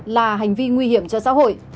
là hành vi nguy hiểm cho xã hội